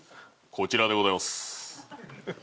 こちらでございます。